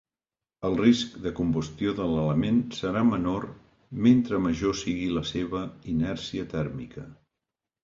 El risc de combustió de l'element serà menor mentre major sigui la seva inèrcia tèrmica.